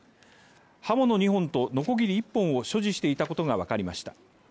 刃物２本とノコギリ１本を所持していたことがわかりました